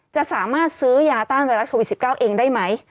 จะสามารถซื้อยาต้านไวรัสโควิด๑๙เองได้ไหม